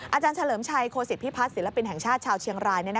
อาจารย์เฉลิมชัยโคศิษฐพิพัฒน์ศิลปินแห่งชาติชาวเชียงราย